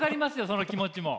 その気持ちも。